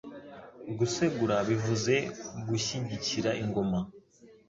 Gusegura bivuze Gushyigikira ingoma